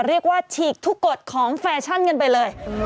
เรียกว่าฉีกทุกกฎของแฟชั่นกันไปเลย